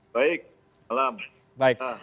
baik selamat malam